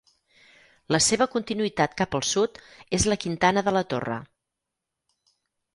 La seva continuïtat cap al sud és la Quintana de la Torre.